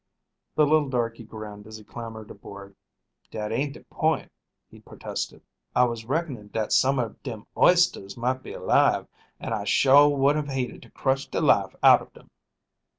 The little darkey grinned as he clambered aboard. "Dat ain't de point," he protested. "I was reckoning dat some ob dem oysters might be alive, an' I sho' would have hated to crush de life out ob dem."